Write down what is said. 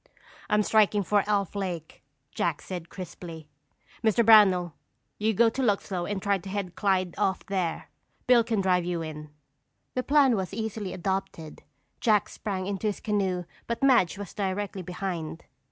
"I'm striking for Elf Lake," Jack said crisply. "Mr. Brownell, you go to Luxlow and try to head Clyde off there. Bill can drive you in." The plan was instantly adopted. Jack sprang into his canoe but Madge was directly behind.